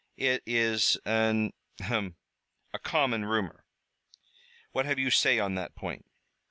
"It is an ahem! a common rumor. What have you to say on that point?"